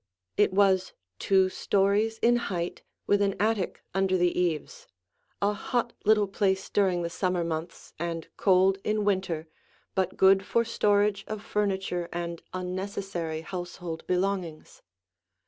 It was two stories in height, with an attic under the eaves, a hot little place during the summer months and cold in winter, but good for storage of furniture and unnecessary household belongings.